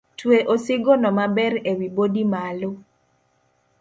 Twe osigono maber ewi bodi malo.